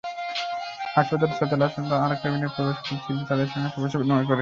হাসপাতালের ছয়তলায় তাঁর কেবিনে প্রবেশ করলে শিল্পী তাঁদের সঙ্গে শুভেচ্ছা বিনিময় করেন।